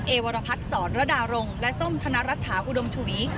วรพัฒน์สอนระดารงและส้มธนรัฐาอุดมชวี